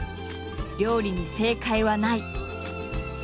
「料理に正解はない」。